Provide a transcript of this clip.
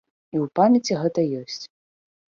І ў памяці гэта ёсць.